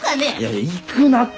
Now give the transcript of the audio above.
いや行くなって！